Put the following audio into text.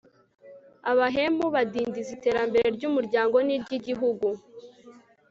abahemu badindiza iterambere ry'umuryango n'iry'igihugu